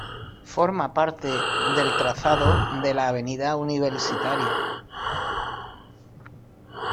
Forma parte del trazado de la avenida Universitaria.